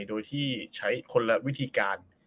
โดยที่ใช้คนละวิธีการ